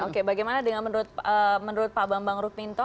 oke bagaimana dengan menurut pak bambang rukminto